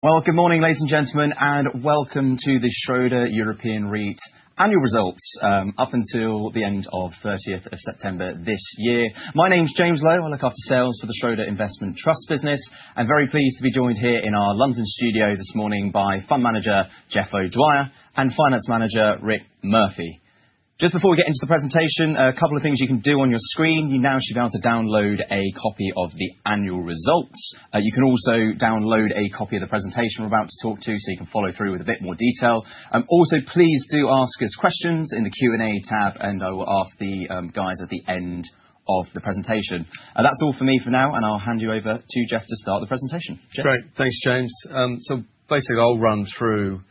Good morning, ladies and gentlemen, and welcome to the Schroder European REIT Annual Results up until the end of 30th of September this year. My name is James Lowe. I look after sales for the Schroder Investment Trust business. I'm very pleased to be joined here in our London studio this morning by Fund Manager Jeff O'Dwyer and Finance Manager Rick Murphy. Just before we get into the presentation, a couple of things you can do on your screen. You now should be able to download a copy of the annual results. You can also download a copy of the presentation we're about to talk to, so you can follow through with a bit more detail. Also, please do ask us questions in the Q&A tab, and I will ask the guys at the end of the presentation. That's all for me for now, and I'll hand you over to Jeff to start the presentation. Great. Thanks, James. So basically, I'll run through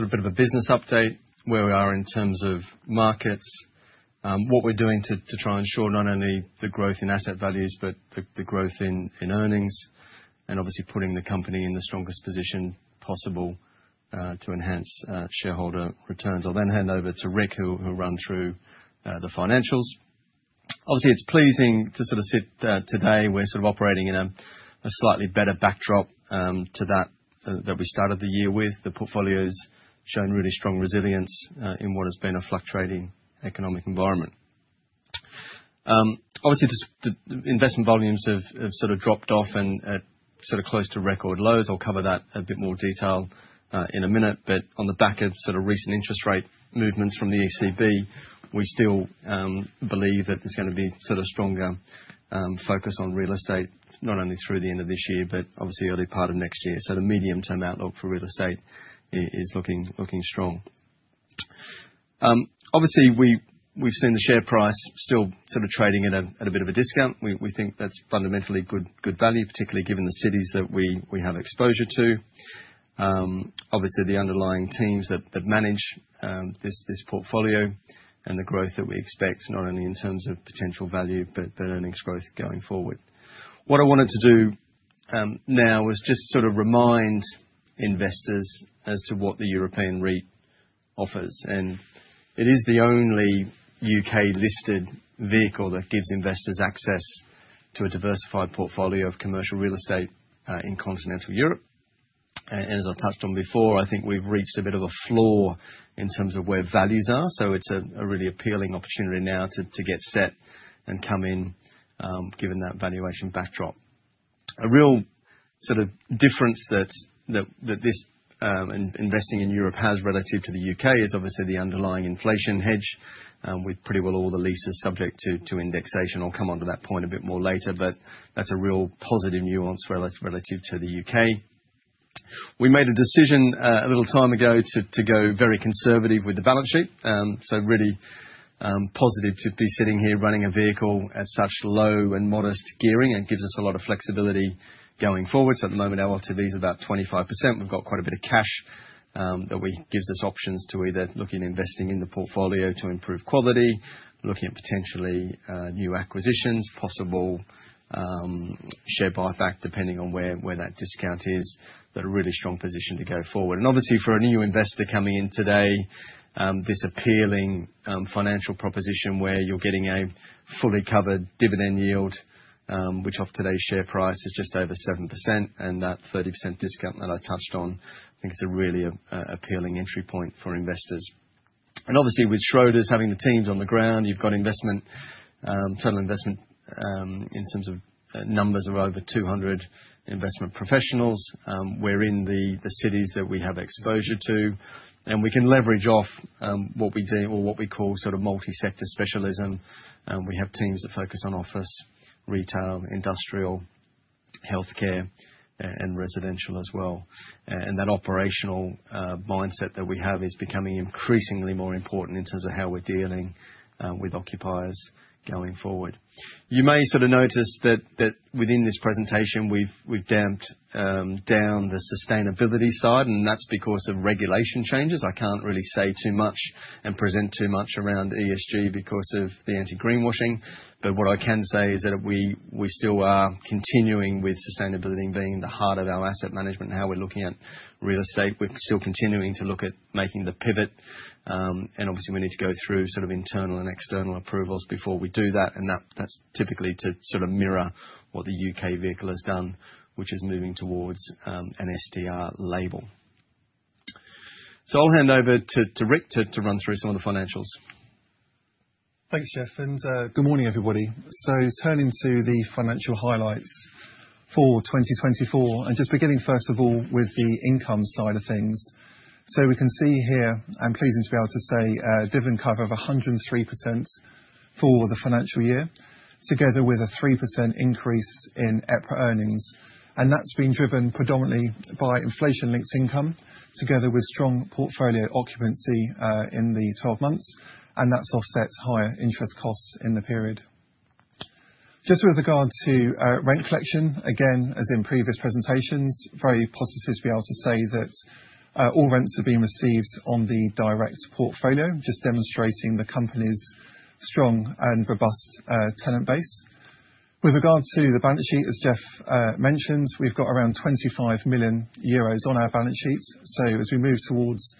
a bit of a business update, where we are in terms of markets, what we're doing to try and ensure not only the growth in asset values, but the growth in earnings, and obviously putting the company in the strongest position possible to enhance shareholder returns. I'll then hand over to Rick, who will run through the financials. Obviously, it's pleasing to sit today. We're operating in a slightly better backdrop to that we started the year with. The portfolio has shown really strong resilience in what has been a fluctuating economic environment. Obviously, investment volumes have dropped off and are close to record lows. I'll cover that a bit more detail in a minute. But on the back of recent interest rate movements from the ECB, we still believe that there's going to be a stronger focus on real estate, not only through the end of this year, but obviously early part of next year. So the medium-term outlook for real estate is looking strong. Obviously, we've seen the share price still trading at a bit of a discount. We think that's fundamentally good value, particularly given the cities that we have exposure to. Obviously, the underlying teams that manage this portfolio and the growth that we expect, not only in terms of potential value, but earnings growth going forward. What I wanted to do now was just remind investors as to what the European REIT offers. And it is the only UK-listed vehicle that gives investors access to a diversified portfolio of commercial real estate in continental Europe. As I touched on before, I think we've reached a bit of a floor in terms of where values are. So it's a really appealing opportunity now to get set and come in, given that valuation backdrop. A real difference that this investing in Europe has relative to the U.K. is obviously the underlying inflation hedge, with pretty well all the leases subject to indexation. I'll come on to that point a bit more later, but that's a real positive nuance relative to the U.K. We made a decision a little time ago to go very conservative with the balance sheet. So really positive to be sitting here running a vehicle at such low and modest gearing. It gives us a lot of flexibility going forward. So at the moment, our LTV is about 25%. We've got quite a bit of cash that gives us options to either look at investing in the portfolio to improve quality, looking at potentially new acquisitions, possible share buyback, depending on where that discount is, that are really strong position to go forward, and obviously, for a new investor coming in today, this appealing financial proposition where you're getting a fully covered dividend yield, which off today's share price is just over 7%, and that 30% discount that I touched on. I think it's a really appealing entry point for investors, and obviously, with Schroders having the teams on the ground, you've got investment, total investment in terms of numbers of over 200 investment professionals. We're in the cities that we have exposure to, and we can leverage off what we call multi-sector specialism. We have teams that focus on office, retail, industrial, healthcare, and residential as well. That operational mindset that we have is becoming increasingly more important in terms of how we're dealing with occupiers going forward. You may notice that within this presentation, we've damped down the sustainability side, and that's because of regulation changes. I can't really say too much and present too much around ESG because of the anti-greenwashing. What I can say is that we still are continuing with sustainability being the heart of our asset management and how we're looking at real estate. We're still continuing to look at making the pivot. Obviously, we need to go through internal and external approvals before we do that. That's typically to mirror what the UK vehicle has done, which is moving towards an SFDR label. I'll hand over to Rick to run through some of the financials. Thanks, Jeff. And good morning, everybody. So turning to the financial highlights for 2024, and just beginning first of all with the income side of things. So we can see here, I'm pleased to be able to say, a dividend cover of 103% for the financial year, together with a 3% increase in EPRA earnings. And that's been driven predominantly by inflation-linked income, together with strong portfolio occupancy in the 12 months. And that's offset higher interest costs in the period. Just with regard to rent collection, again, as in previous presentations, very positive to be able to say that all rents have been received on the direct portfolio, just demonstrating the company's strong and robust tenant base. With regard to the balance sheet, as Jeff mentioned, we've got around 25 million euros on our balance sheet. As we move towards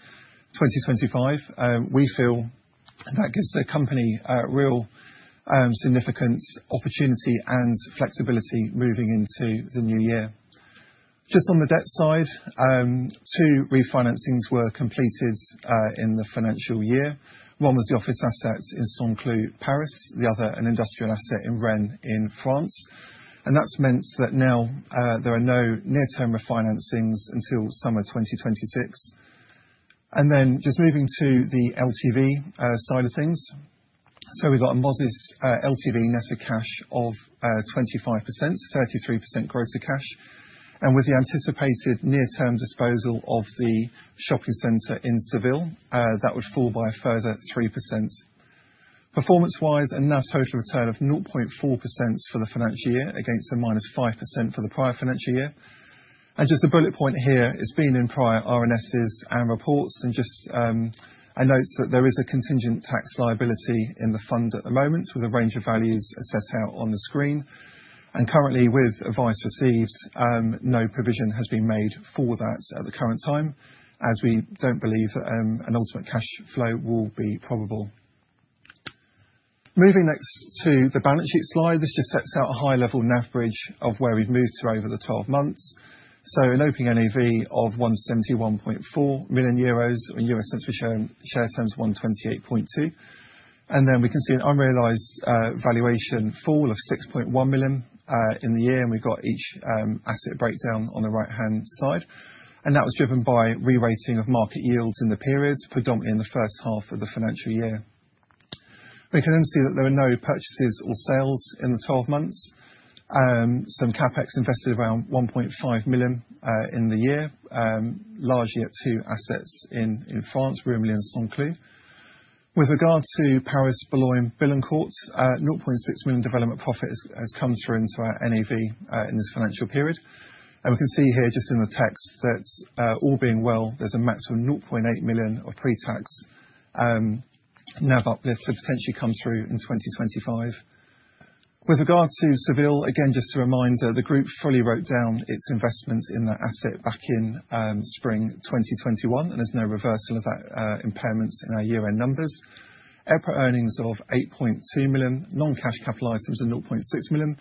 2025, we feel that gives the company real significance, opportunity, and flexibility moving into the new year. Just on the debt side, two refinancings were completed in the financial year. One was the office assets in Saint-Cloud, Paris, the other an industrial asset in Rennes in France. And that's meant that now there are no near-term refinancings until summer 2026. And then just moving to the LTV side of things. So we've got a modest LTV net of cash of 25%, 33% gross of cash. And with the anticipated near-term disposal of the shopping center in Seville, that would fall by a further 3%. Performance-wise, a net return of 0.4% for the financial year against a minus 5% for the prior financial year. And just a bullet point here, it's been in prior RNSs and reports. Just a note that there is a contingent tax liability in the fund at the moment, with a range of values set out on the screen. Currently, with advice received, no provision has been made for that at the current time, as we don't believe an ultimate cash flow will be probable. Moving next to the balance sheet slide, this just sets out a high-level NAV bridge of where we've moved to over the 12 months. An opening NAV of 171.4 million euros, or euro cents per share terms, 1.282. We can see an unrealized valuation fall of 6.1 million in the year. We've got each asset breakdown on the right-hand side. That was driven by re-rating of market yields in the periods, predominantly in the first half of the financial year. We can then see that there were no purchases or sales in the 12 months. Some CapEx invested around 1.5 million in the year, largely at two assets in France, Rumilly and Saint-Cloud. With regard to Paris Boulogne-Billancourt, 0.6 million development profit has come through into our NAV in this financial period. And we can see here just in the text that all being well, there's a maximum of 0.8 million of pre-tax NAV uplift to potentially come through in 2025. With regard to Seville, again, just a reminder, the group fully wrote down its investments in that asset back in spring 2021, and there's no reversal of that impairment in our year-end numbers. EPRA earnings of 8.2 million, non-cash capital items of 0.6 million.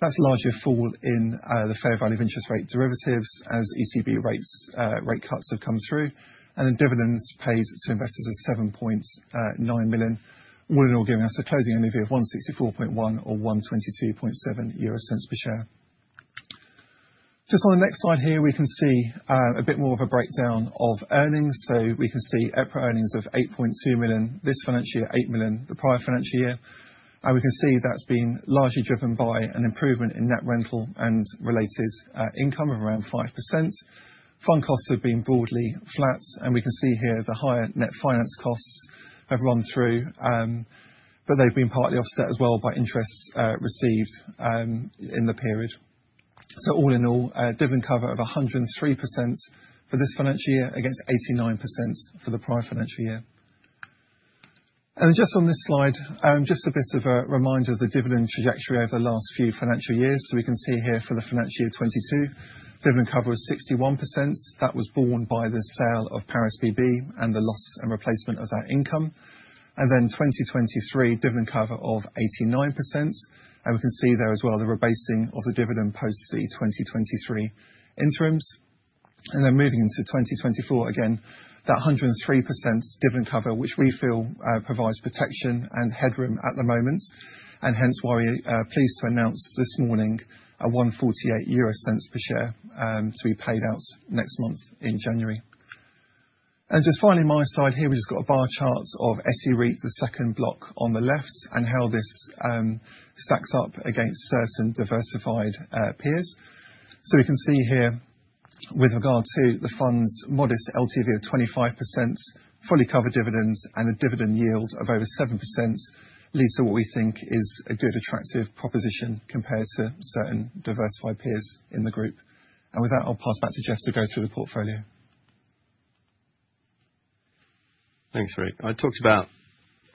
That's largely a fall in the fair value of interest rate derivatives as ECB rate cuts have come through. And then dividends paid to investors of 7.9 million, all in all giving us a closing NAV of 164.1 or 122.7 euro per share. Just on the next slide here, we can see a bit more of a breakdown of earnings. So we can see EPRA earnings of 8.2 million this financial year, 8 million the prior financial year. And we can see that's been largely driven by an improvement in net rental and related income of around 5%. Fund costs have been broadly flat. And we can see here the higher net finance costs have run through, but they've been partly offset as well by interest received in the period. So all in all, dividend cover of 103% for this financial year against 89% for the prior financial year. And just on this slide, just a bit of a reminder of the dividend trajectory over the last few financial years. So we can see here for the financial year 2022, dividend cover was 61%. That was borne by the sale of Paris BB and the loss and replacement of that income. And then 2023, dividend cover of 89%. And we can see there as well the rebasing of the dividend post the 2023 interims. And then moving into 2024, again, that 103% dividend cover, which we feel provides protection and headroom at the moment, and hence why we're pleased to announce this morning a 148 euro per share to be paid out next month in January. And just finally, my slide here, we've just got a bar chart of SE REIT, the second block on the left, and how this stacks up against certain diversified peers. We can see here, with regard to the fund's modest LTV of 25%, fully covered dividends, and a dividend yield of over 7% leads to what we think is a good attractive proposition compared to certain diversified peers in the group. With that, I'll pass back to Jeff to go through the portfolio. Thanks, Rick. I talked about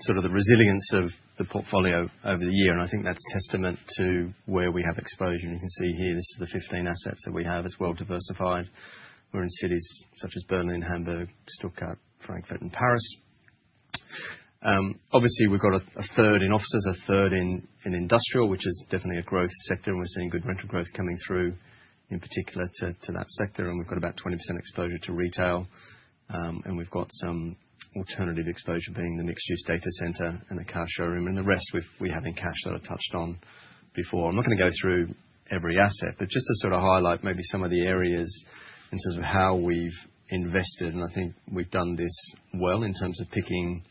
the resilience of the portfolio over the year, and I think that's a testament to where we have exposure, and you can see here, this is the 15 assets that we have, as well diversified. We're in cities such as Berlin, Hamburg, Stuttgart, Frankfurt, and Paris. Obviously, we've got a third in offices, a third in industrial, which is definitely a growth sector, and we're seeing good rental growth coming through, in particular to that sector, and we've got about 20% exposure to retail, and we've got some alternative exposure being the mixed-use data center and the car showroom, and the rest, we have in cash that I touched on before. I'm not going to go through every asset, but just to highlight maybe some of the areas in terms of how we've invested. I think we've done this well in terms of picking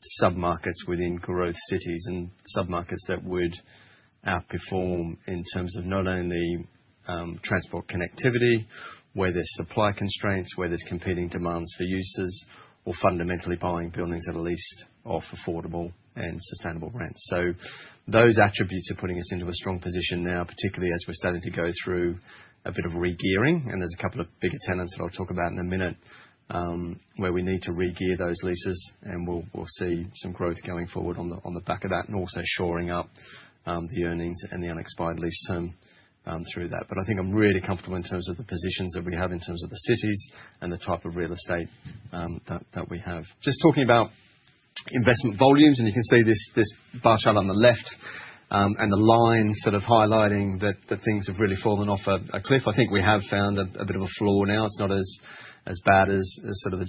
sub-markets within growth cities and sub-markets that would outperform in terms of not only transport connectivity, where there's supply constraints, where there's competing demands for users, or fundamentally buying buildings at least off affordable and sustainable rents. Those attributes are putting us into a strong position now, particularly as we're starting to go through a bit of re-gearing. There's a couple of bigger tenants that I'll talk about in a minute where we need to re-gear those leases. We'll see some growth going forward on the back of that, and also shoring up the earnings and the unexpired lease term through that. I think I'm really comfortable in terms of the positions that we have in terms of the cities and the type of real estate that we have. Just talking about investment volumes, and you can see this bar chart on the left and the line highlighting that things have really fallen off a cliff. I think we have found a bit of a floor now. It's not as bad as the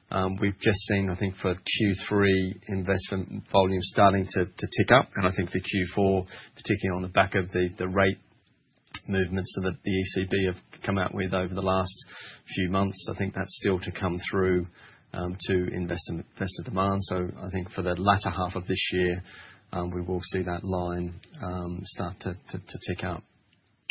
GFC. We've just seen, I think, for Q3 investment volume starting to tick up, and I think for Q4, particularly on the back of the rate movements that the ECB have come out with over the last few months, I think that's still to come through to investor demand, so I think for the latter half of this year, we will see that line start to tick up.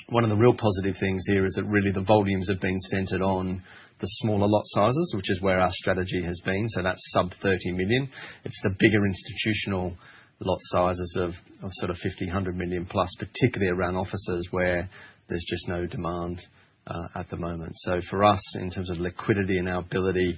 One of the real positive things here is that really the volumes have been centered on the smaller lot sizes, which is where our strategy has been. So that's sub 30 million. It's the bigger institutional lot sizes of 1,500 million plus, particularly around offices where there's just no demand at the moment. So for us, in terms of liquidity and our ability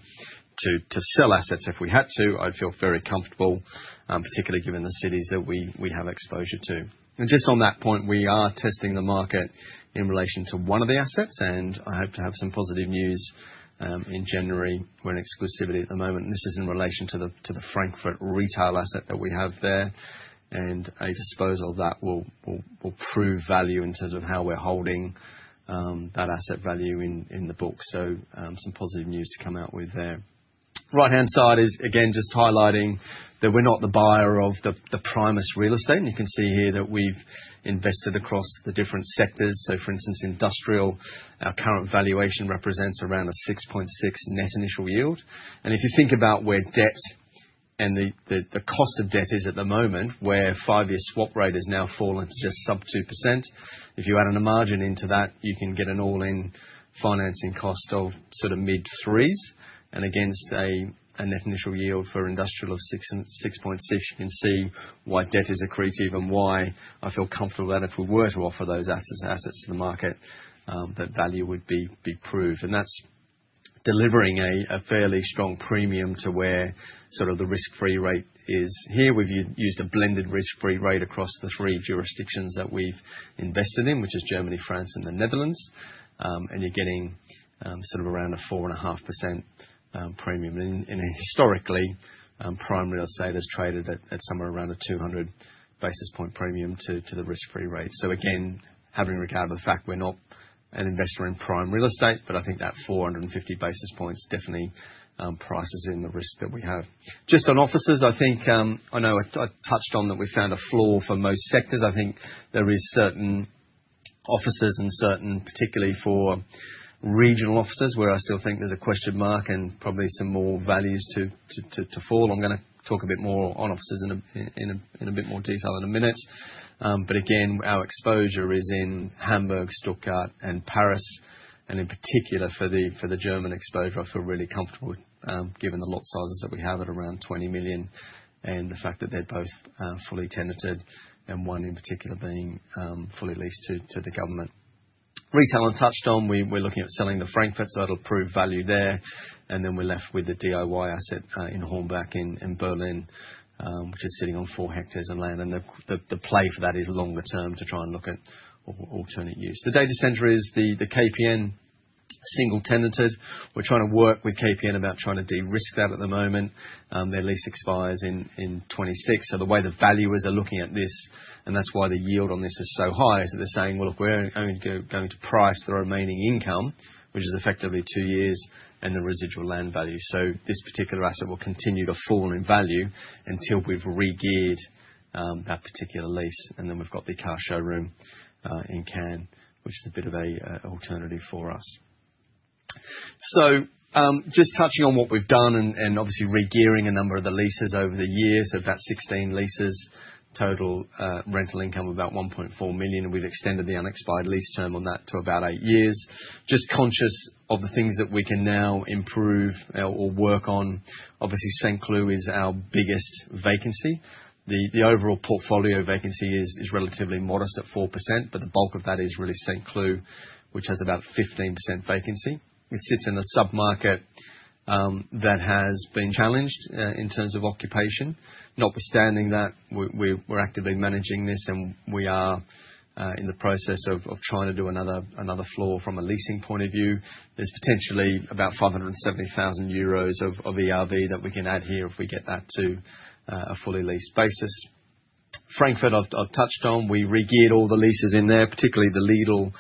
to sell assets if we had to, I'd feel very comfortable, particularly given the cities that we have exposure to, and just on that point, we are testing the market in relation to one of the assets, and I hope to have some positive news in January. We're in exclusivity at the moment, and this is in relation to the Frankfurt retail asset that we have there, and a disposal of that will prove value in terms of how we're holding that asset value in the book. So some positive news to come out with there. Right-hand side is, again, just highlighting that we're not the buyer of the prime real estate. You can see here that we've invested across the different sectors. For instance, industrial, our current valuation represents around a 6.6% net initial yield. If you think about where debt and the cost of debt is at the moment, where five-year swap rate has now fallen to just sub 2%, if you add in a margin into that, you can get an all-in financing cost of mid-threes. Against a net initial yield for industrial of 6.6, you can see why debt is accretive and why I feel comfortable that if we were to offer those assets to the market, that value would be proved. That's delivering a fairly strong premium to where the risk-free rate is. Here, we've used a blended risk-free rate across the three jurisdictions that we've invested in, which is Germany, France, and the Netherlands. You're getting around a 4.5% premium. Historically, prime real estate has traded at somewhere around a 200 basis point premium to the risk-free rate. Again, having regard with the fact we're not an investor in prime real estate, but I think that 450 basis points definitely prices in the risk that we have. Just on offices, I think I know I touched on that we found a floor for most sectors. I think there are certain offices and certain, particularly for regional offices, where I still think there's a question mark and probably some more values to fall. I'm going to talk a bit more on offices in a bit more detail in a minute. Again, our exposure is in Hamburg, Stuttgart, and Paris. And in particular, for the German exposure, I feel really comfortable given the lot sizes that we have at around 20 million and the fact that they're both fully tenanted and one in particular being fully leased to the government. Retail I touched on, we're looking at selling the Frankfurt, so it'll prove value there. And then we're left with the DIY asset in Hornbach in Berlin, which is sitting on four hectares of land. And the play for that is longer term to try and look at alternate use. The data center is the KPN single tenanted. We're trying to work with KPN about trying to de-risk that at the moment. Their lease expires in 2026. The way the valuers are looking at this, and that's why the yield on this is so high, is that they're saying, "Well, look, we're only going to price the remaining income, which is effectively two years, and the residual land value." This particular asset will continue to fall in value until we've re-geared that particular lease. We've got the car showroom in Cannes, which is a bit of an alternative for us. Just touching on what we've done and obviously re-gearing a number of the leases over the years, about 16 leases, total rental income of about 1.4 million. We've extended the unexpired lease term on that to about eight years, just conscious of the things that we can now improve or work on. Obviously, Saint-Cloud is our biggest vacancy. The overall portfolio vacancy is relatively modest at 4%, but the bulk of that is really Saint-Cloud, which has about 15% vacancy. It sits in a sub-market that has been challenged in terms of occupation. Notwithstanding that, we're actively managing this, and we are in the process of trying to do another floor from a leasing point of view. There's potentially about 570,000 euros of ERV that we can add here if we get that to a fully leased basis. Frankfurt, I've touched on. We re-geared all the leases in there, particularly the Lidl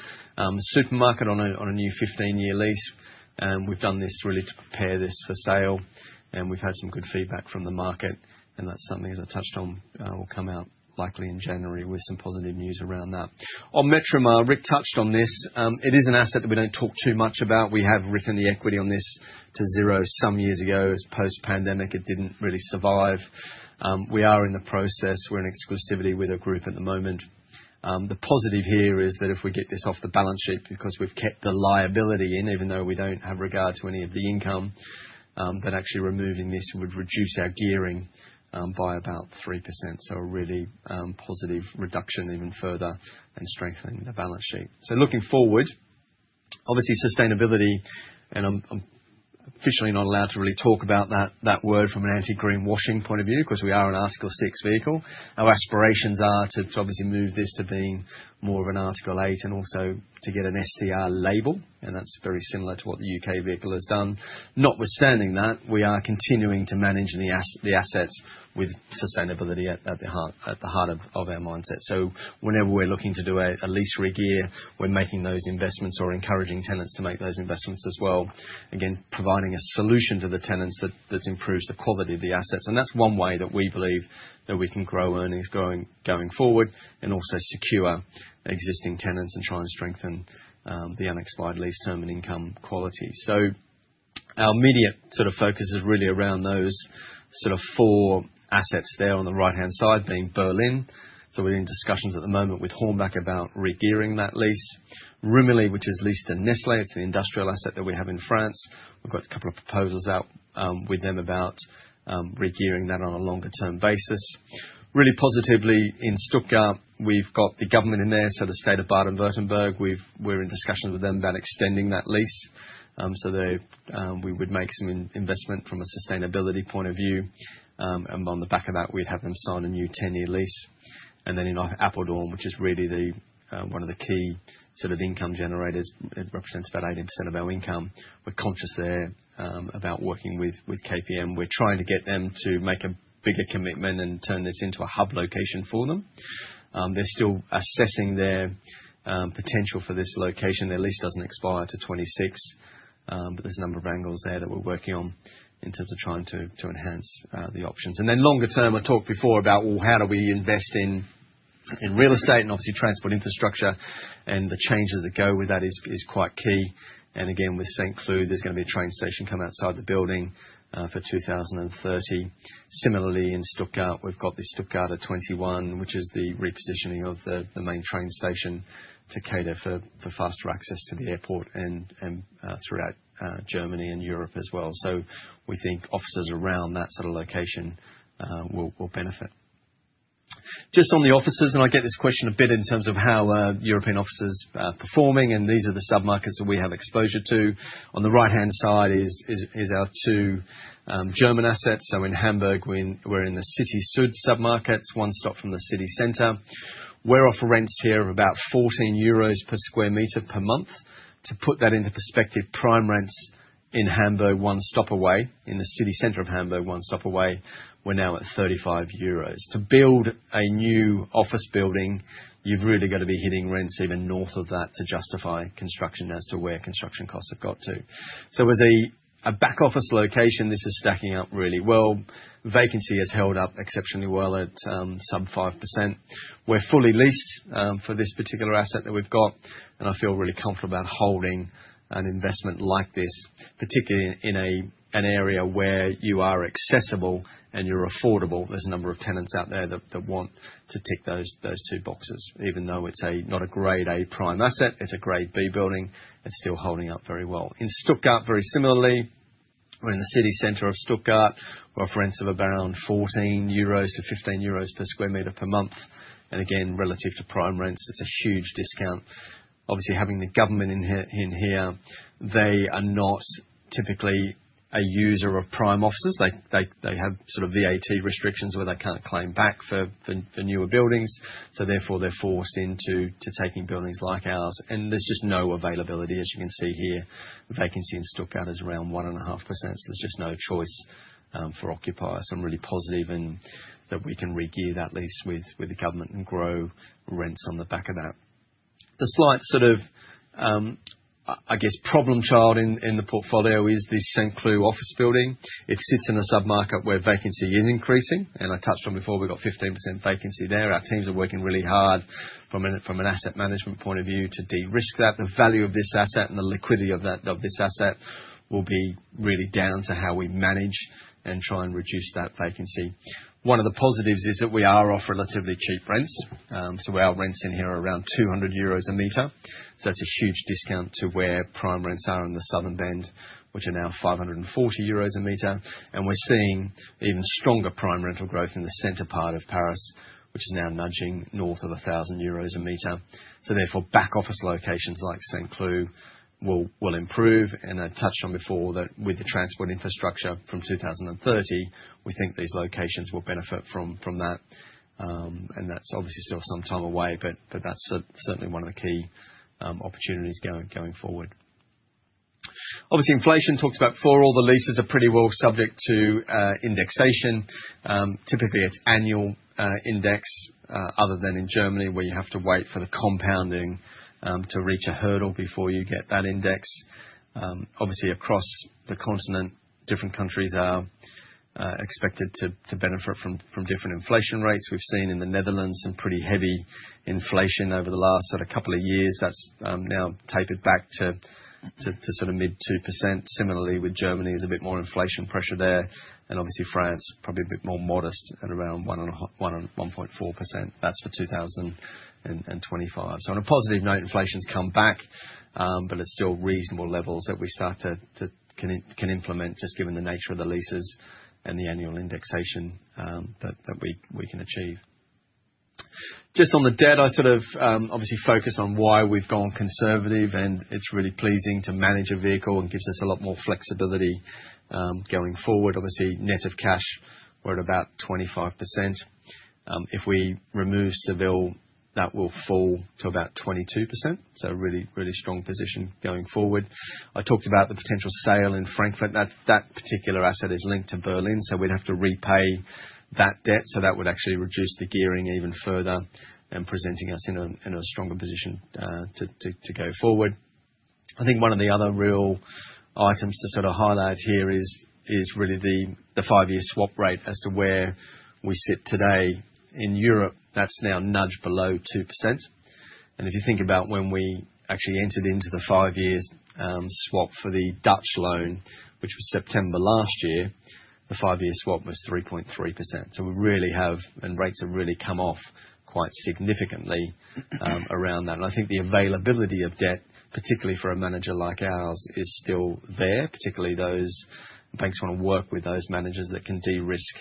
supermarket on a new 15-year lease. And we've done this really to prepare this for sale. And we've had some good feedback from the market. And that's something, as I touched on, will come out likely in January with some positive news around that. On Metromar, Rick touched on this. It is an asset that we don't talk too much about. We have written down the equity on this to zero some years ago. It's post-pandemic. It didn't really survive. We are in the process. We're in exclusivity with a group at the moment. The positive here is that if we get this off the balance sheet, because we've kept the liability in, even though we don't have recourse to any of the income, that actually removing this would reduce our gearing by about 3%. So a really positive reduction even further and strengthening the balance sheet. So looking forward, obviously sustainability, and I'm officially not allowed to really talk about that word from an anti-greenwashing point of view, because we are an Article 6 vehicle. Our aspirations are to obviously move this to being more of an Article 8 and also to get an SDR label. And that's very similar to what the UK vehicle has done. Notwithstanding that, we are continuing to manage the assets with sustainability at the heart of our mindset. So whenever we're looking to do a lease re-gear, we're making those investments or encouraging tenants to make those investments as well. Again, providing a solution to the tenants that improves the quality of the assets. And that's one way that we believe that we can grow earnings going forward and also secure existing tenants and try and strengthen the unexpired lease term and income quality. So our immediate focus is really around those four assets there on the right-hand side being Berlin. So we're in discussions at the moment with Hornbach about re-gearing that lease. Rumilly, which is leased to Nestlé. It's the industrial asset that we have in France. We've got a couple of proposals out with them about re-gearing that on a longer-term basis. Really positively in Stuttgart, we've got the government in there, so the state of Baden-Württemberg. We're in discussions with them about extending that lease, so we would make some investment from a sustainability point of view, and on the back of that, we'd have them sign a new 10-year lease. Then in Apeldoorn, which is really one of the key income generators, it represents about 18% of our income. We're conscious there about working with KPN. We're trying to get them to make a bigger commitment and turn this into a hub location for them. They're still assessing their potential for this location. Their lease doesn't expire to 2026, but there's a number of angles there that we're working on in terms of trying to enhance the options. And then longer term, I talked before about how do we invest in real estate and obviously transport infrastructure. And the changes that go with that is quite key. And again, with Saint-Cloud, there's going to be a train station come outside the building for 2030. Similarly, in Stuttgart, we've got the Stuttgart 21, which is the repositioning of the main train station to cater for faster access to the airport and throughout Germany and Europe as well. So we think offices around that location will benefit. Just on the offices, and I get this question a bit in terms of how European offices are performing, and these are the sub-markets that we have exposure to. On the right-hand side is our two German assets. So in Hamburg, we're in the City-Süd sub-markets, one stop from the city center. We're offering rents here of about 14 euros per sq m per month. To put that into perspective, prime rents in Hamburg, one stop away, in the city center of Hamburg, one stop away, we're now at 35 euros. To build a new office building, you've really got to be hitting rents even north of that to justify construction as to where construction costs have got to. So as a back-office location, this is stacking up really well. Vacancy has held up exceptionally well at sub 5%. We're fully leased for this particular asset that we've got, and I feel really comfortable about holding an investment like this, particularly in an area where you are accessible and you're affordable. There's a number of tenants out there that want to tick those two boxes. Even though it's not a Grade A prime asset, it's a Grade B building, it's still holding up very well. In Stuttgart, very similarly, we're in the city center of Stuttgart. We're offering rents of around 14-15 euros per square meter per month. And again, relative to prime rents, it's a huge discount. Obviously, having the government in here, they are not typically a user of prime offices. They have VAT restrictions where they can't claim back for newer buildings. So therefore, they're forced into taking buildings like ours. And there's just no availability, as you can see here. Vacancy in Stuttgart is around 1.5%, so there's just no choice for occupiers. So I'm really positive that we can re-gear that lease with the government and grow rents on the back of that. The slight, I guess, problem child in the portfolio is the Saint-Cloud office building. It sits in a sub-market where vacancy is increasing. And I touched on before, we've got 15% vacancy there. Our teams are working really hard from an asset management point of view to de-risk that. The value of this asset and the liquidity of this asset will be really down to how we manage and try and reduce that vacancy. One of the positives is that we are off relatively cheap rents. So our rents in here are around 200 euros a meter. So that's a huge discount to where prime rents are in the southern bend, which are now 540 euros a meter. And we're seeing even stronger prime rental growth in the center part of Paris, which is now nudging north of 1,000 euros a meter. So therefore, back-office locations like Saint-Cloud will improve. I touched on before that with the transport infrastructure from 2030, we think these locations will benefit from that. That's obviously still some time away, but that's certainly one of the key opportunities going forward. Obviously, inflation talked about before. All the leases are pretty well subject to indexation. Typically, it's annual index, other than in Germany, where you have to wait for the compounding to reach a hurdle before you get that index. Obviously, across the continent, different countries are expected to benefit from different inflation rates. We've seen in the Netherlands some pretty heavy inflation over the last couple of years. That's now tapered back to mid-2%. Similarly, with Germany, there's a bit more inflation pressure there. Obviously, France, probably a bit more modest at around 1.4%. That's for 2025. So on a positive note, inflation's come back, but it's still reasonable levels that we can implement, just given the nature of the leases and the annual indexation that we can achieve. Just on the debt, I obviously focus on why we've gone conservative, and it's really pleasing to manage a vehicle and gives us a lot more flexibility going forward. Obviously, net of cash, we're at about 25%. If we remove Seville, that will fall to about 22%. So a really strong position going forward. I talked about the potential sale in Frankfurt. That particular asset is linked to Berlin, so we'd have to repay that debt. So that would actually reduce the gearing even further and presenting us in a stronger position to go forward. I think one of the other real items to highlight here is really the five-year swap rate as to where we sit today in Europe. That's now nudged below 2%. And if you think about when we actually entered into the five-year swap for the Dutch loan, which was September last year, the five-year swap was 3.3%. So we really have, and rates have really come off quite significantly around that. And I think the availability of debt, particularly for a manager like ours, is still there, particularly those banks want to work with those managers that can de-risk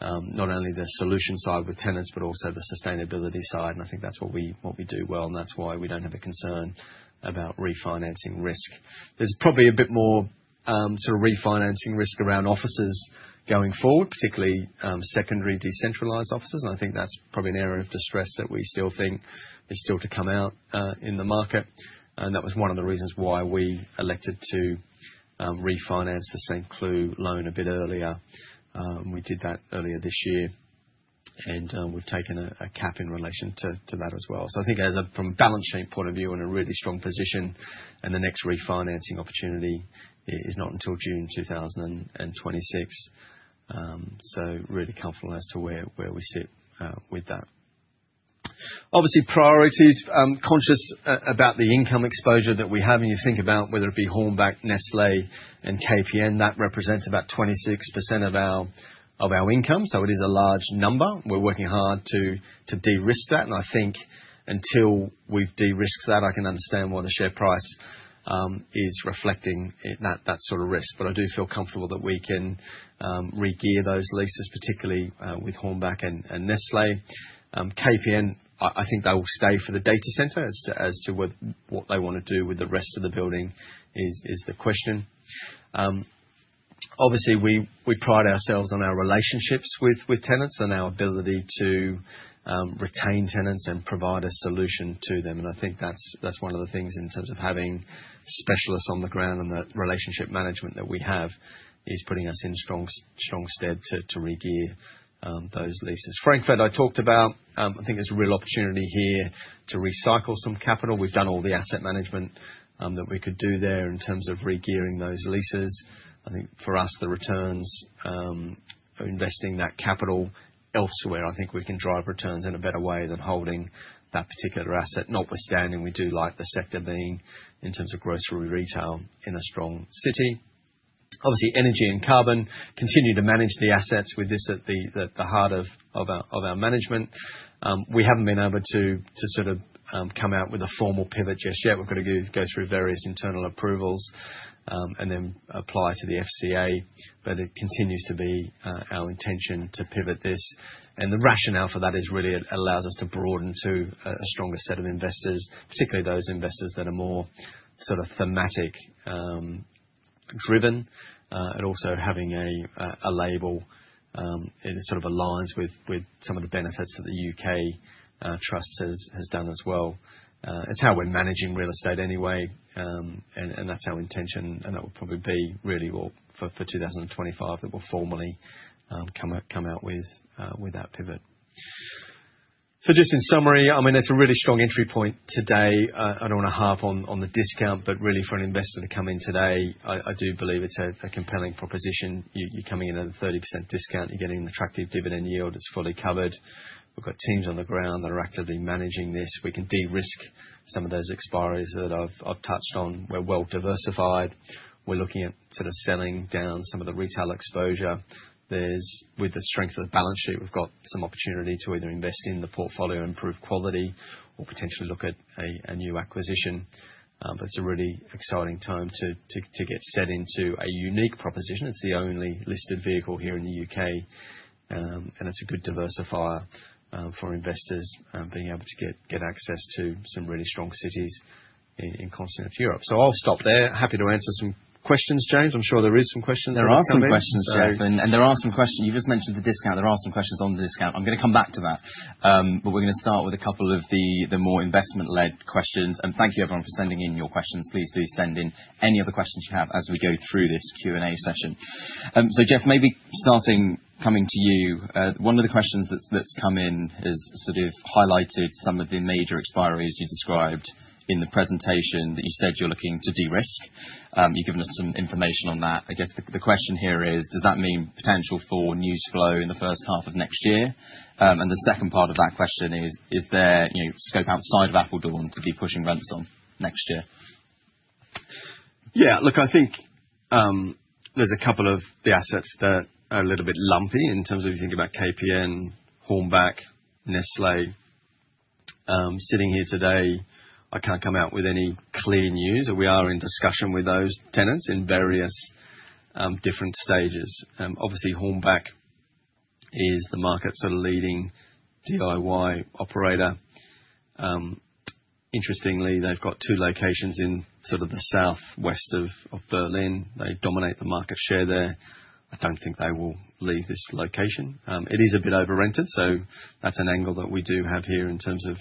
not only the solution side with tenants, but also the sustainability side. And I think that's what we do well. And that's why we don't have a concern about refinancing risk. There's probably a bit more refinancing risk around offices going forward, particularly secondary decentralized offices. And I think that's probably an area of distress that we still think is still to come out in the market. And that was one of the reasons why we elected to refinance the Saint-Cloud loan a bit earlier. We did that earlier this year. And we've taken a cap in relation to that as well. So I think from a balance sheet point of view, we're in a really strong position. And the next refinancing opportunity is not until June 2026. So really comfortable as to where we sit with that. Obviously priorities, conscious about the income exposure that we have. And you think about whether it be Hornbach, Nestlé, and KPN, that represents about 26% of our income. So it is a large number. We're working hard to de-risk that. And I think until we've de-risked that, I can understand why the share price is reflecting that sort of risk. But I do feel comfortable that we can re-gear those leases, particularly with Hornbach and Nestlé. KPN, I think they will stay for the data center, as to what they want to do with the rest of the building is the question. Obviously, we pride ourselves on our relationships with tenants and our ability to retain tenants and provide a solution to them. And I think that's one of the things in terms of having specialists on the ground and the relationship management that we have is putting us in strong stead to re-gear those leases. Frankfurt, I talked about. I think there's a real opportunity here to recycle some capital. We've done all the asset management that we could do there in terms of re-gearing those leases. I think for us, the returns for investing that capital elsewhere. I think we can drive returns in a better way than holding that particular asset. Notwithstanding, we do like the sector being in terms of grocery retail in a strong city. Obviously, energy and carbon continue to manage the assets with this at the heart of our management. We haven't been able to come out with a formal pivot just yet. We've got to go through various internal approvals and then apply to the FCA. It continues to be our intention to pivot this. The rationale for that is really it allows us to broaden to a stronger set of investors, particularly those investors that are more thematic driven. Also having a label in sort of alliance with some of the benefits that the UK trust has done as well. It's how we're managing real estate anyway. And that's our intention. And that will probably be really well for 2025 that we'll formally come out with that pivot. So just in summary, I mean, it's a really strong entry point today at an hour and a half on the discount. But really, for an investor to come in today, I do believe it's a compelling proposition. You're coming in at a 30% discount. You're getting an attractive dividend yield. It's fully covered. We've got teams on the ground that are actively managing this. We can de-risk some of those expiries that I've touched on. We're well diversified. We're looking at selling down some of the retail exposure. With the strength of the balance sheet, we've got some opportunity to either invest in the portfolio, improve quality, or potentially look at a new acquisition. But it's a really exciting time to get set into a unique proposition. It's the only listed vehicle here in the U.K. And it's a good diversifier for investors being able to get access to some really strong cities in continental Europe. So I'll stop there. Happy to answer some questions, James. I'm sure there are some questions there. There are some questions, Jeff. And there are some questions. You just mentioned the discount. There are some questions on the discount. I'm going to come back to that. But we're going to start with a couple of the more investment-led questions. And thank you, everyone, for sending in your questions. Please do send in any other questions you have as we go through this Q&A session. Jeff, maybe starting coming to you, one of the questions that's come in has highlighted some of the major expiries you described in the presentation that you said you're looking to de-risk. You've given us some information on that. I guess the question here is, does that mean potential for news flow in the first half of next year? And the second part of that question is, is there scope outside of Apeldoorn to be pushing rents on next year? Yeah. Look, I think there's a couple of the assets that are a little bit lumpy in terms of if you think about KPN, Hornbach, Nestlé. Sitting here today, I can't come out with any clear news. We are in discussion with those tenants in various different stages. Obviously, Hornbach is the market leading DIY operator. Interestingly, they've got two locations in the southwest of Berlin. They dominate the market share there. I don't think they will leave this location. It is a bit over-rented. So that's an angle that we do have here in terms of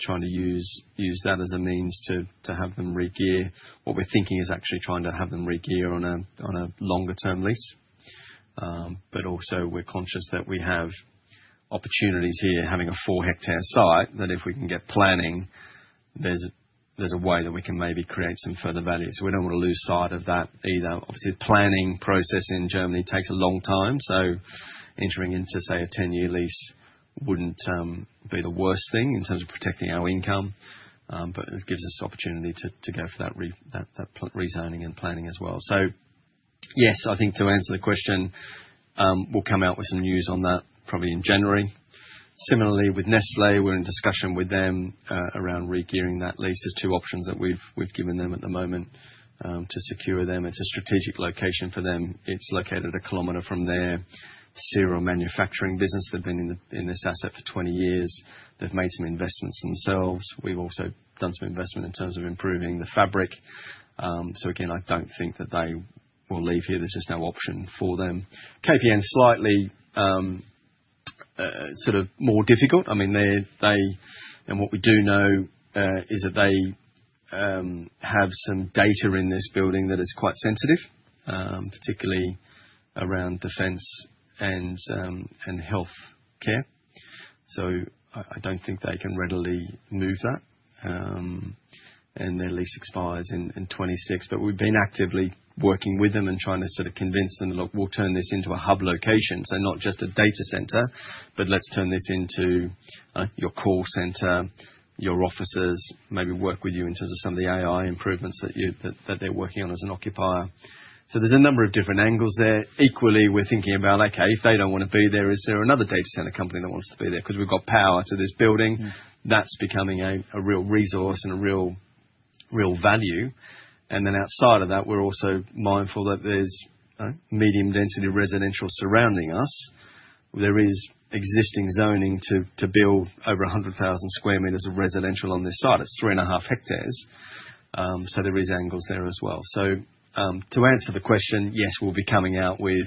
trying to use that as a means to have them re-gear. What we're thinking is actually trying to have them re-gear on a longer-term lease. But also, we're conscious that we have opportunities here, having a four-hectare site, that if we can get planning, there's a way that we can maybe create some further value. So we don't want to lose sight of that either. Obviously, planning process in Germany takes a long time. So entering into, say, a 10-year lease wouldn't be the worst thing in terms of protecting our income. But it gives us the opportunity to go for that rezoning and planning as well. So yes, I think to answer the question, we'll come out with some news on that probably in January. Similarly, with Nestlé, we're in discussion with them around re-gearing that lease. There's two options that we've given them at the moment to secure them. It's a strategic location for them. It's located a kilometer from their cereal manufacturing business. They've been in this asset for 20 years. They've made some investments themselves. We've also done some investment in terms of improving the fabric. So again, I don't think that they will leave here. There's just no option for them. KPN is slightly more difficult. I mean, what we do know is that they have some data in this building that is quite sensitive, particularly around defense and healthcare. So I don't think they can readily move that. And their lease expires in 2026. But we've been actively working with them and trying to convince them, "Look, we'll turn this into a hub location." So not just a data center, but let's turn this into your call center, your offices, maybe work with you in terms of some of the AI improvements that they're working on as an occupier. So there's a number of different angles there. Equally, we're thinking about, "Okay, if they don't want to be there, is there another data center company that wants to be there?" Because we've got power to this building. That's becoming a real resource and a real value. And then outside of that, we're also mindful that there's medium-density residential surrounding us. There is existing zoning to build over 100,000 square meters of residential on this site. It's three and a half hectares. So there are angles there as well. So, to answer the question, yes, we'll be coming out with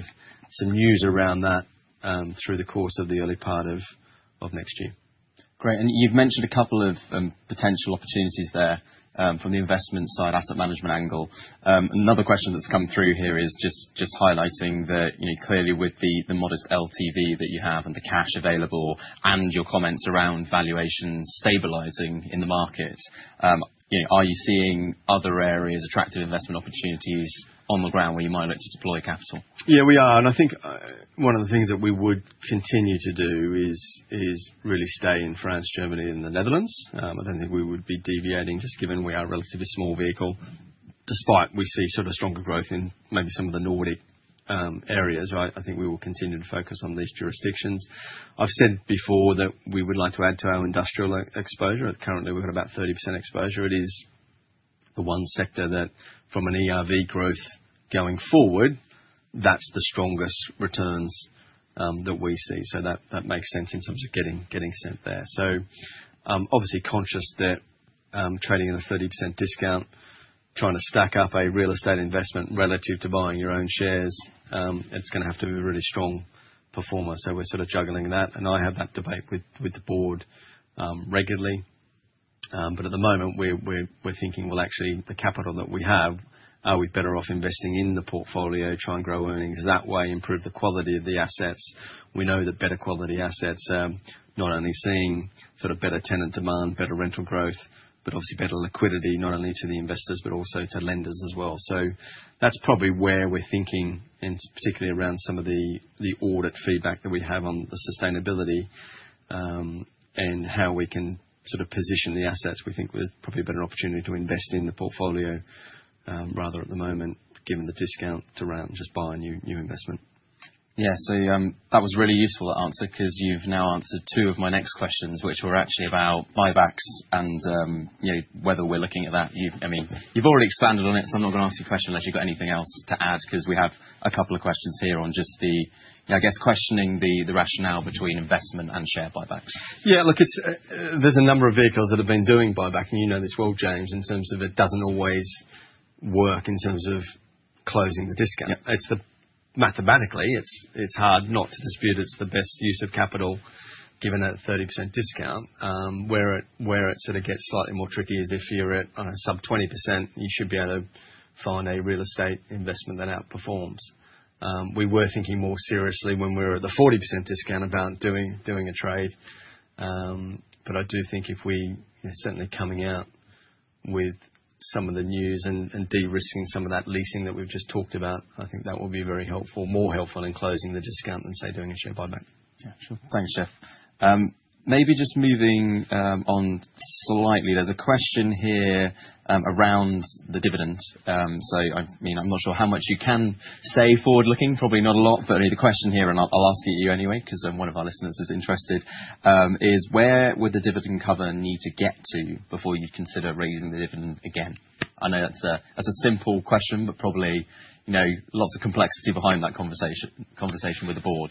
some news around that through the course of the early part of next year. Great. And you've mentioned a couple of potential opportunities there from the investment side, asset management angle. Another question that's come through here is just highlighting that clearly with the modest LTV that you have and the cash available and your comments around valuations stabilizing in the market, are you seeing other areas, attractive investment opportunities on the ground where you might look to deploy capital? Yeah, we are. And I think one of the things that we would continue to do is really stay in France, Germany, and the Netherlands. I don't think we would be deviating just given we are a relatively small vehicle. Despite we see stronger growth in maybe some of the Nordic areas, I think we will continue to focus on these jurisdictions. I've said before that we would like to add to our industrial exposure. Currently, we've got about 30% exposure. It is the one sector that, from an ERV growth going forward, that's the strongest returns that we see. So that makes sense in terms of getting spent there. So, obviously conscious that trading at a 30% discount, trying to stack up a real estate investment relative to buying your own shares, it's going to have to be a really strong performer. So we're juggling that, and I have that debate with the board regularly. But at the moment, we're thinking, "Well, actually, the capital that we have, are we better off investing in the portfolio, trying to grow earnings that way, improve the quality of the assets?" We know that better quality assets, not only seeing better tenant demand, better rental growth, but obviously better liquidity, not only to the investors, but also to lenders as well. So that's probably where we're thinking, and particularly around some of the audit feedback that we have on the sustainability and how we can position the assets. We think there's probably a better opportunity to invest in the portfolio rather at the moment, given the discount to just buy a new investment. Yeah. So that was really useful, that answer, because you've now answered two of my next questions, which were actually about buybacks and whether we're looking at that. I mean, you've already expanded on it, so I'm not going to ask you a question unless you've got anything else to add, because we have a couple of questions here on just the, I guess, questioning the rationale between investment and share buybacks. Yeah. Look, there's a number of vehicles that have been doing buyback, and you know this well, James, in terms of it doesn't always work in terms of closing the discount. Mathematically, it's hard not to dispute it's the best use of capital given a 30% discount. Where it gets slightly more tricky is if you're at sub 20%, you should be able to find a real estate investment that outperforms. We were thinking more seriously when we were at the 40% discount about doing a trade. But I do think if we're certainly coming out with some of the news and de-risking some of that leasing that we've just talked about, I think that will be very helpful, more helpful in closing the discount than, say, doing a share buyback. Yeah. Sure. Thanks, Jeff. Maybe just moving on slightly, there's a question here around the dividend. So I'm not sure how much you can say forward-looking, probably not a lot. But the question here, and I'll ask it to you anyway because one of our listeners is interested, is where would the dividend cover need to get to before you consider raising the dividend again? I know that's a simple question, but probably lots of complexity behind that conversation with the board.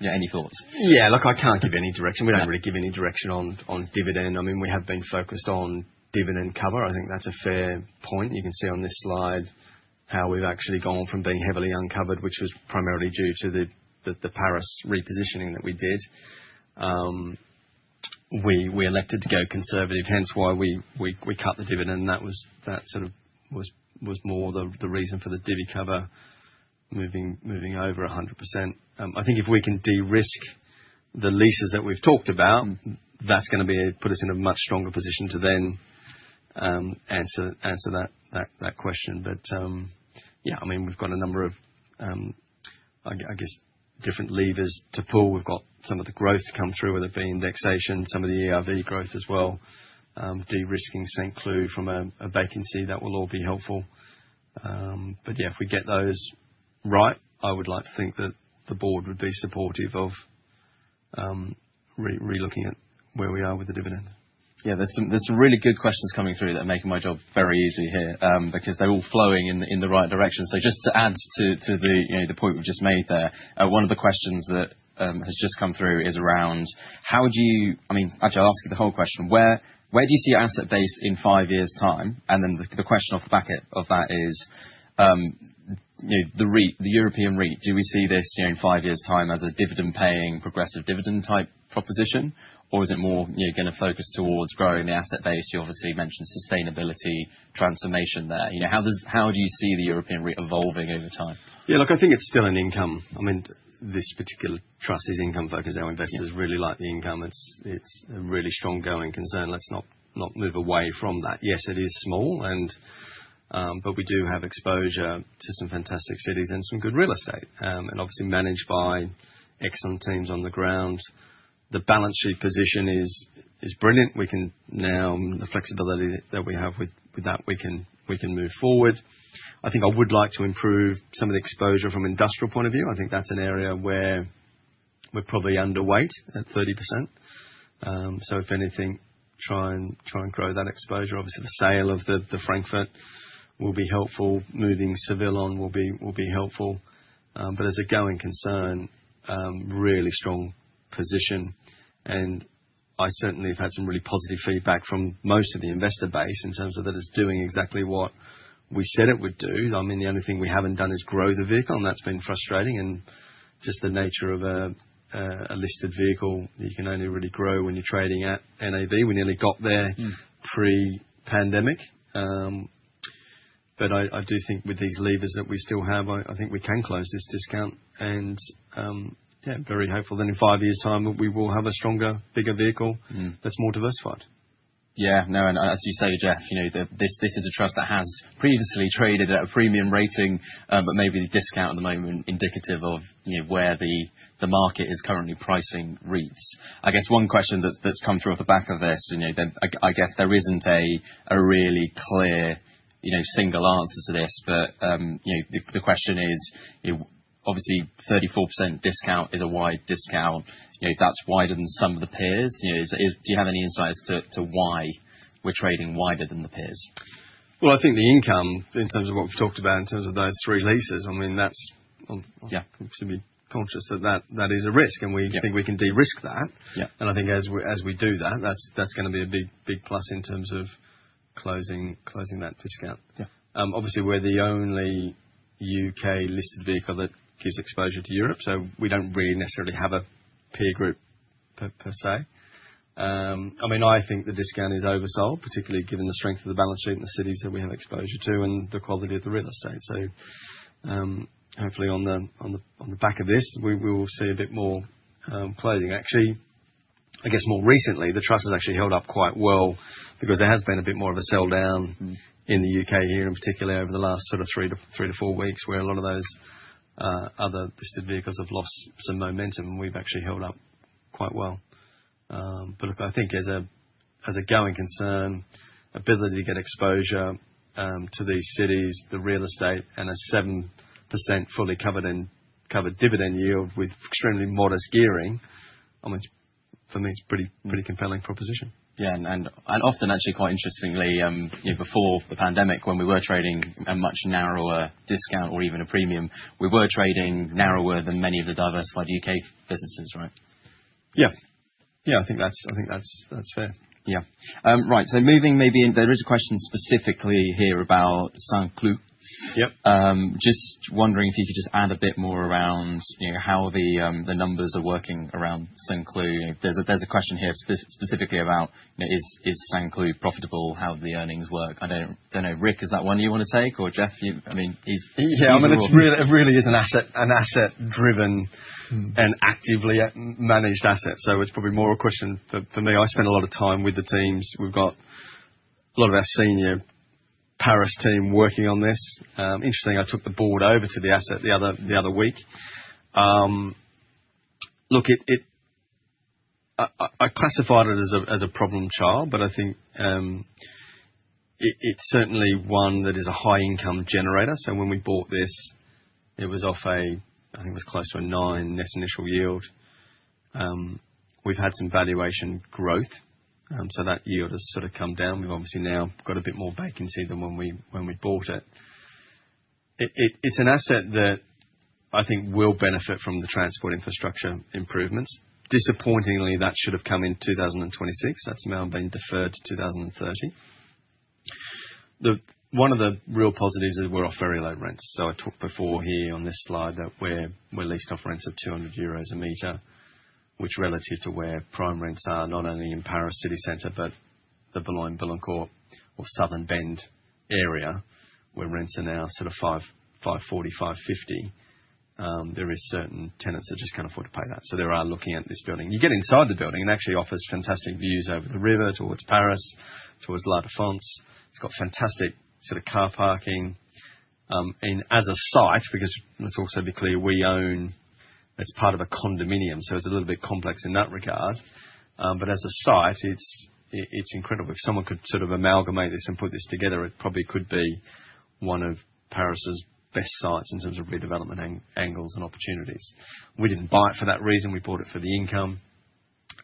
Any thoughts? Yeah. Look, I can't give any direction. We don't really give any direction on dividend. I mean, we have been focused on dividend cover. I think that's a fair point. You can see on this slide how we've actually gone from being heavily uncovered, which was primarily due to the Paris repositioning that we did. We elected to go conservative, hence why we cut the dividend. That was more the reason for the divvy cover moving over 100%. I think if we can de-risk the leases that we've talked about, that's going to put us in a much stronger position to then answer that question. But yeah, I mean, we've got a number of, I guess, different levers to pull. We've got some of the growth to come through with it, the indexation, some of the ERV growth as well. De-risking Saint-Cloud from a vacancy that will all be helpful. But yeah, if we get those right, I would like to think that the board would be supportive of relooking at where we are with the dividend. Yeah. There's some really good questions coming through that are making my job very easy here because they're all flowing in the right direction. So just to add to the point we've just made there, one of the questions that has just come through is around how do you, I mean, actually, I'll ask you the whole question. Where do you see your asset base in five years' time? And then the question off the back of that is the European REIT. Do we see this in five years' time as a dividend-paying, progressive dividend-type proposition, or is it more going to focus towards growing the asset base? You obviously mentioned sustainability, transformation there. How do you see the European REIT evolving over time? Yeah. Look, I think it's still an income. I mean, this particular trust is income-focused. Our investors really like the income. It's a really strong-going concern. Let's not move away from that. Yes, it is small, but we do have exposure to some fantastic cities and some good real estate, and obviously managed by excellent teams on the ground. The balance sheet position is brilliant. Now, the flexibility that we have with that, we can move forward. I think I would like to improve some of the exposure from an industrial point of view. I think that's an area where we're probably underweight at 30%. So if anything, try and grow that exposure. Obviously, the sale of the Frankfurt will be helpful. Moving Seville will be helpful. But as a going concern, really strong position. I certainly have had some really positive feedback from most of the investor base in terms of that it's doing exactly what we said it would do. I mean, the only thing we haven't done is grow the vehicle, and that's been frustrating. Just the nature of a listed vehicle, you can only really grow when you're trading at NAV. We nearly got there pre-pandemic. But I do think with these levers that we still have, I think we can close this discount. And yeah, very hopeful that in five years' time, we will have a stronger, bigger vehicle that's more diversified. Yeah. No. And as you say, Jeff, this is a trust that has previously traded at a premium rating, but maybe the discount at the moment is indicative of where the market is currently pricing REITs. I guess one question that's come through off the back of this, and I guess there isn't a really clear single answer to this, but the question is, obviously, 34% discount is a wide discount. That's wider than some of the peers. Do you have any insight as to why we're trading wider than the peers? Well, I think the income, in terms of what we've talked about in terms of those three leases, I mean, that's—I should be conscious that that is a risk, and we think we can de-risk that. And I think as we do that, that's going to be a big plus in terms of closing that discount. Obviously, we're the only U.K.-listed vehicle that gives exposure to Europe, so we don't really necessarily have a peer group per se. I mean, I think the discount is oversold, particularly given the strength of the balance sheet and the cities that we have exposure to and the quality of the real estate. So hopefully, on the back of this, we will see a bit more closing. Actually, I guess more recently, the trust has actually held up quite well because there has been a bit more of a sell-down in the U.K. here, in particular over the last three-to-four weeks, where a lot of those other listed vehicles have lost some momentum, and we've actually held up quite well. But look, I think as a going concern, ability to get exposure to these cities, the real estate, and a 7% fully covered dividend yield with extremely modest gearing, I mean, for me, it's a pretty compelling proposition. Yeah. And often, actually, quite interestingly, before the pandemic, when we were trading a much narrower discount or even a premium, we were trading narrower than many of the diversified UK businesses, right? Yeah. Yeah. I think that's fair. Yeah. Right. So moving maybe into, there is a question specifically here about Saint-Cloud. Just wondering if you could just add a bit more around how the numbers are working around Saint-Cloud. There's a question here specifically about, is Saint-Cloud profitable? How do the earnings work? I don't know. Rick, is that one you want to take? Or Jeff, I mean, he's. Yeah. I mean, it really is an asset-driven and actively managed asset. So it's probably more a question for me. I spend a lot of time with the teams. We've got a lot of our senior Paris team working on this. Interesting, I took the board over to the asset the other week. Look, I classified it as a problem child, but I think it's certainly one that is a high-income generator. So when we bought this, it was off a—I think it was close to a nine net initial yield. We've had some valuation growth, so that yield has sort of come down. We've obviously now got a bit more vacancy than when we bought it. It's an asset that I think will benefit from the transport infrastructure improvements. Disappointingly, that should have come in 2026. That's now been deferred to 2030. One of the real positives is we're off very low rents. So I talked before here on this slide that we're leased off rents of 200 euros a meter, which relative to where prime rents are, not only in Paris city center, but the Boulogne-Billancourt or Southern Bend area, where rents are now sort of 540-550, there are certain tenants that just can't afford to pay that. So they are looking at this building. You get inside the building, and it actually offers fantastic views over the river towards Paris, towards La Défense. It's got fantastic car parking. And as a site, because let's also be clear, we own, it's part of a condominium, so it's a little bit complex in that regard. But as a site, it's incredible. If someone could sort of amalgamate this and put this together, it probably could be one of Paris's best sites in terms of redevelopment angles and opportunities. We didn't buy it for that reason. We bought it for the income,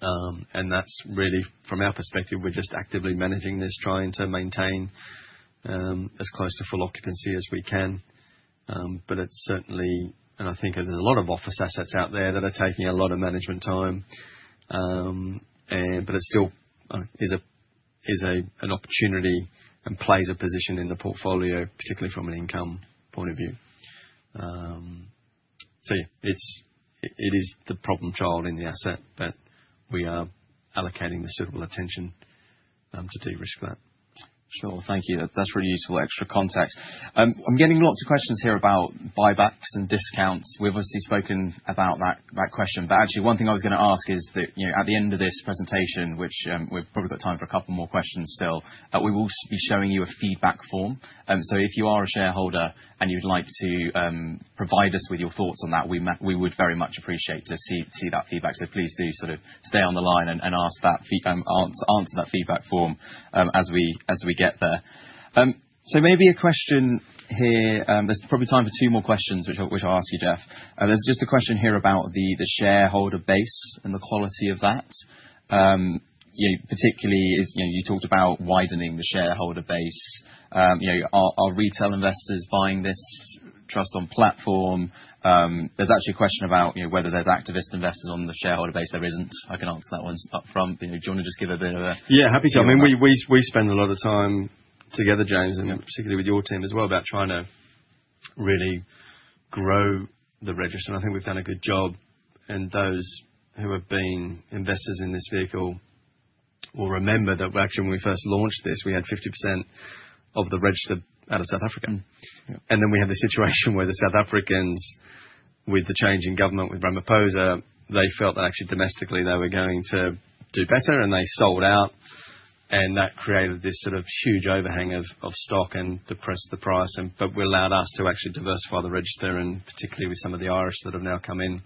and that's really, from our perspective, we're just actively managing this, trying to maintain as close to full occupancy as we can, but it's certainly, and I think there's a lot of office assets out there that are taking a lot of management time, but it still is an opportunity and plays a position in the portfolio, particularly from an income point of view, so yeah, it is the problem child in the asset that we are allocating the suitable attention to de-risk that. Sure. Thank you. That's really useful extra context. I'm getting lots of questions here about buybacks and discounts. We've obviously spoken about that question. But actually, one thing I was going to ask is that at the end of this presentation, which we've probably got time for a couple more questions still, we will be showing you a feedback form. So if you are a shareholder and you'd like to provide us with your thoughts on that, we would very much appreciate to see that feedback. So please do stay on the line and answer that feedback form as we get there. So maybe a question here. There's probably time for two more questions, which I'll ask you, Jeff. There's just a question here about the shareholder base and the quality of that. Particularly, you talked about widening the shareholder base. Are retail investors buying this trust on platform? There's actually a question about whether there's activist investors on the shareholder base. There isn't. I can answer that one upfront. Yeah. Happy to. I mean, we spend a lot of time together, James, and particularly with your team as well about trying to really grow the register. And I think we've done a good job. And those who have been investors in this vehicle will remember that actually, when we first launched this, we had 50% of the register out of South Africa. And then we had the situation where the South Africans, with the change in government with Ramaphosa, they felt that actually domestically they were going to do better, and they sold out. And that created this sort of huge overhang of stock and depressed the price. But we allowed us to actually diversify the register, and particularly with some of the [ars] that have now come in,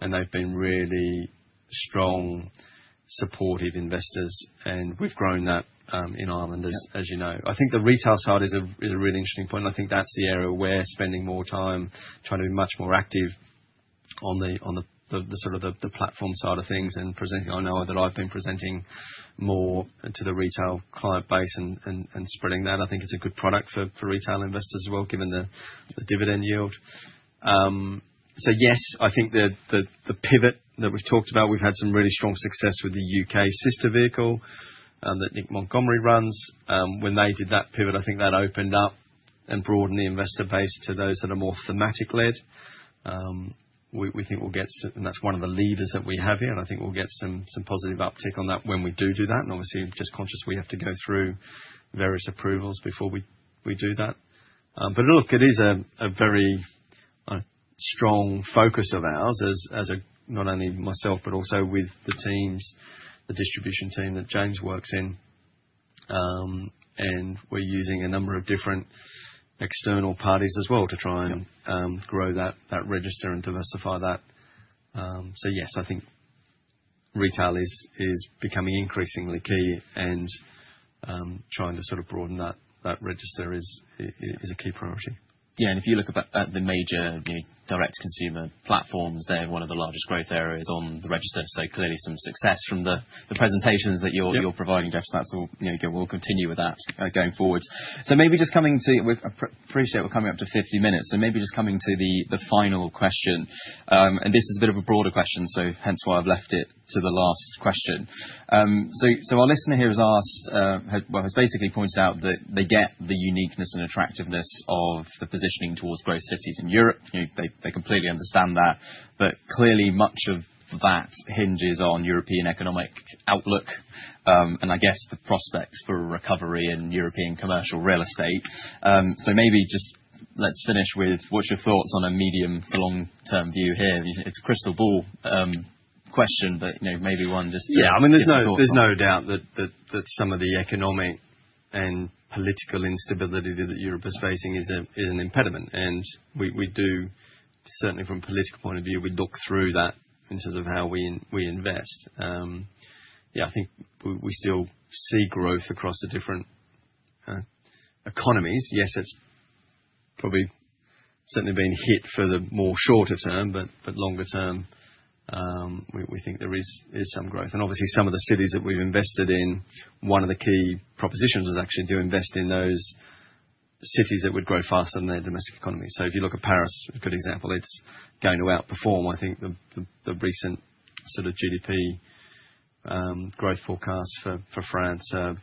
and they've been really strong, supportive investors. And we've grown that in Ireland, as you know. I think the retail side is a really interesting point. And I think that's the area we're spending more time trying to be much more active on the sort of the platform side of things and presenting. I know that I've been presenting more to the retail client base and spreading that. I think it's a good product for retail investors as well, given the dividend yield. So yes, I think the pivot that we've talked about, we've had some really strong success with the UK sister vehicle that Nick Montgomery runs. When they did that pivot, I think that opened up and broadened the investor base to those that are more thematic-led. We think we'll get, and that's one of the levers that we have here. And I think we'll get some positive uptick on that when we do do that. And obviously, I'm just conscious we have to go through various approvals before we do that. But look, it is a very strong focus of ours, not only myself, but also with the teams, the distribution team that James works in. And we're using a number of different external parties as well to try and grow that register and diversify that. So yes, I think retail is becoming increasingly key, and trying to sort of broaden that register is a key priority. Yeah. And if you look at the major direct-to-consumer platforms, they're one of the largest growth areas on the register. So clearly, some success from the presentations that you're providing, Jeff, so we'll continue with that going forward. So maybe just coming to - I appreciate we're coming up to 50 minutes. So maybe just coming to the final question. This is a bit of a broader question, so hence why I've left it to the last question. Our listener here has asked, well, has basically pointed out that they get the uniqueness and attractiveness of the positioning towards growth cities in Europe. They completely understand that. But clearly, much of that hinges on European economic outlook and, I guess, the prospects for recovery in European commercial real estate. Our maybe just let's finish with what's your thoughts on a medium to long-term view here. It's a crystal ball question, but maybe one just to talk through. Yeah. I mean, there's no doubt that some of the economic and political instability that Europe is facing is an impediment. We do, certainly from a political point of view, we look through that in terms of how we invest. Yeah. I think we still see growth across the different economies. Yes, it's probably certainly been hit for the more shorter term, but longer term, we think there is some growth. And obviously, some of the cities that we've invested in, one of the key propositions was actually to invest in those cities that would grow faster than their domestic economy. So if you look at Paris, a good example, it's going to outperform. I think the recent sort of GDP growth forecast for France is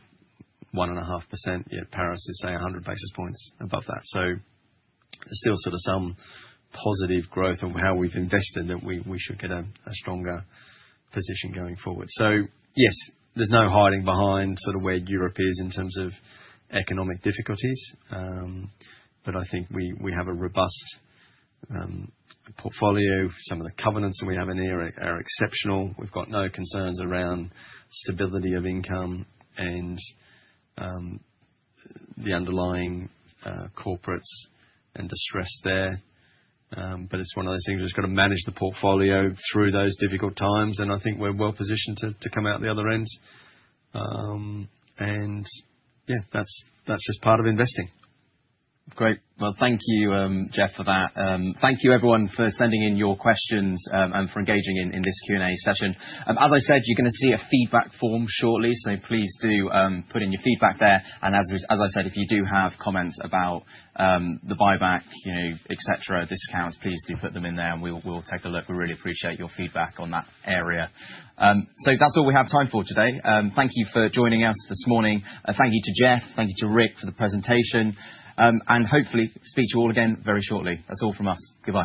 1.5%. Paris is, say, 100 basis points above that. So there's still sort of some positive growth of how we've invested that we should get a stronger position going forward. So yes, there's no hiding behind sort of where Europe is in terms of economic difficulties. But I think we have a robust portfolio. Some of the covenants that we have in here are exceptional. We've got no concerns around stability of income and the underlying corporates and distress there. But it's one of those things we've just got to manage the portfolio through those difficult times. And I think we're well positioned to come out the other end. And yeah, that's just part of investing. Great. Well, thank you, Jeff, for that. Thank you, everyone, for sending in your questions and for engaging in this Q&A session. As I said, you're going to see a feedback form shortly, so please do put in your feedback there. And as I said, if you do have comments about the buyback, etc., discounts, please do put them in there, and we'll take a look. We really appreciate your feedback on that area. So that's all we have time for today. Thank you for joining us this morning. Thank you to Jeff. Thank you to Rick for the presentation. Hopefully, speak to you all again very shortly. That's all from us. Goodbye.